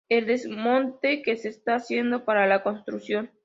el desmonte que se está haciendo para la construcción